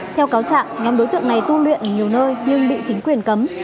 theo cáo trạng nhóm đối tượng này tu luyện ở nhiều nơi nhưng bị chính quyền cấm